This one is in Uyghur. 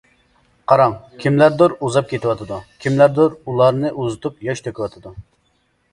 قاراڭ، كىملەردۇر ئۇزاپ كېتىۋاتىدۇ، كىملەردۇر ئۇلارنى ئۇزىتىپ ياش تۆكۈۋاتىدۇ.